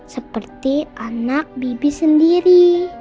seperti anak bibi sendiri